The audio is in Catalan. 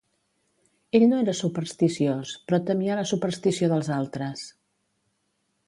Ell no era supersticiós, però temia la superstició dels altres.